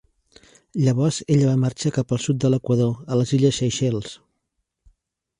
Llavors, ella va marxar cap al sud de l'equador, a les illes Seychelles.